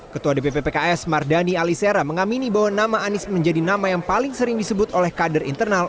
ketua dpp pks mardani alisera mengamini bahwa nama anies menjadi nama yang paling sering disebut oleh kader internal